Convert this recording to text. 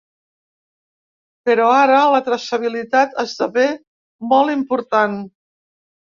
Però ara, la traçabilitat esdevé molt important.